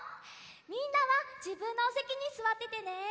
みんなはじぶんのおせきにすわっててね！